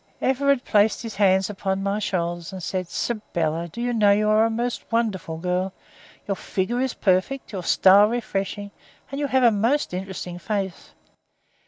Everard placed his hands upon my shoulders and said: "Sybylla, do you know you are a most wonderful girl? Your figure is perfect, your style refreshing, and you have a most interesting face.